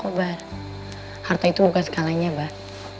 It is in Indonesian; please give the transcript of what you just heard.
tapi om kobar harta itu bukan segalanya abah